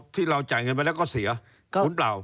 ที่เราจ่ายเงินไปแล้วก็เสียคุณเปล่า